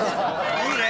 いいね！